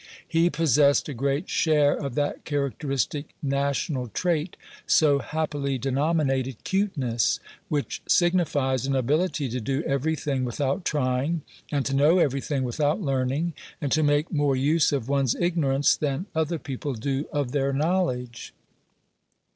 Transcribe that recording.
He possessed a great share of that characteristic national trait so happily denominated "cuteness," which signifies an ability to do every thing without trying, and to know every thing without learning, and to make more use of one's ignorance than other people do of their knowledge.